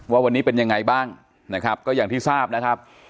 ว่าวันนี้เป็นยังไงบ้างนะครับก็อย่างที่ทราบนะครับ